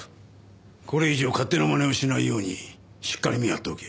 これ以上勝手な真似をしないようにしっかり見張っておけ。